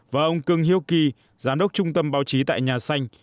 và ông cương hiêu kỳ giám đốc trung tâm báo chí tại nhà xanh